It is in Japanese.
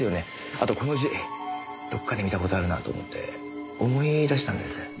あとこの字どこかで見た事あるなと思って思い出したんです。